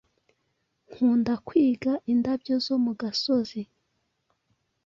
Nkunda kwiga indabyo zo mu gasozi.